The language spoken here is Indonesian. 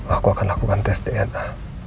aku akan lakukan tes dna